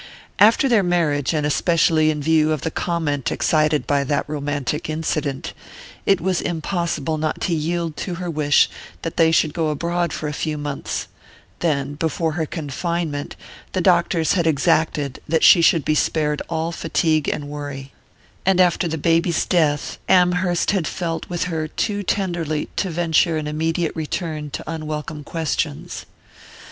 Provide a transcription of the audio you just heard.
After their marriage, and especially in view of the comment excited by that romantic incident, it was impossible not to yield to her wish that they should go abroad for a few months; then, before her confinement, the doctors had exacted that she should be spared all fatigue and worry; and after the baby's death Amherst had felt with her too tenderly to venture an immediate return to unwelcome questions.